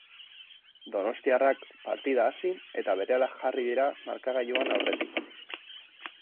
Donostiarrak partida hasi eta berehala jarri dira markagailuan aurretik.